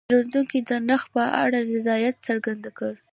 پیرودونکی د نرخ په اړه رضایت څرګند کړ.